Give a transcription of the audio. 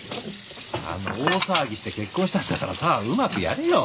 あんな大騒ぎして結婚したんだからさうまくやれよ。